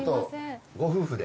ご夫婦で。